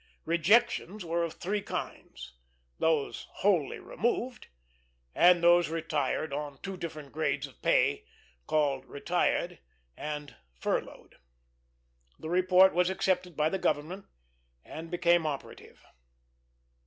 Rejections were of three kinds: those wholly removed, and those retired on two different grades of pay, called "Retired," and "Furloughed." The report was accepted by the government and became operative.